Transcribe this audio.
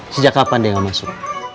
sejak kapan dia gak masuk